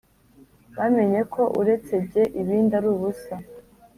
bamenye ko uretse jye ibindi ari ubusa;